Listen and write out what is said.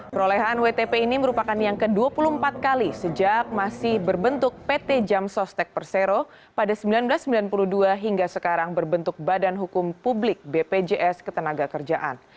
perolehan wtp ini merupakan yang ke dua puluh empat kali sejak masih berbentuk pt jam sostek persero pada seribu sembilan ratus sembilan puluh dua hingga sekarang berbentuk badan hukum publik bpjs ketenaga kerjaan